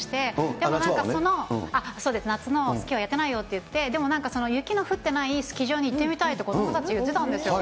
でもなんかその、夏のスキーはやってないよって言って、でもなんか、その雪の降ってないスキー場に行ってみたいって、子どもたち言ってたんですよ。